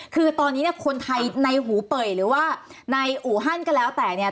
คือตอนนี้เนี่ยคนไทยในหูเป่ยหรือว่าในอู่ฮั่นก็แล้วแต่เนี่ย